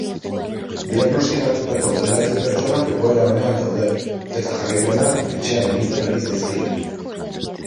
Diagnostikatutako bederatzi pertsonak egoeran onean daude, eta jarraipena etxean egiten ari zaizkie.